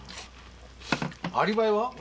アリバイは？